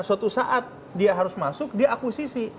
suatu saat dia harus masuk dia akuisisi